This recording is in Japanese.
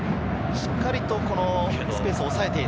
しっかりとスペースをおさえている。